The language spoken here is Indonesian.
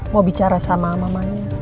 mau bicara sama mamanya